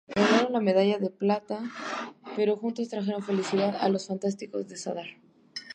Ganaron la medalla de plata, pero juntos trajeron felicidad a los fanáticos de Zadar.